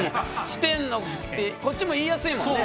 こっちも言いやすいもんね。